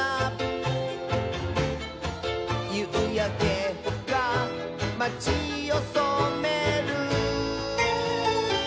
「ゆうやけがまちをそめる」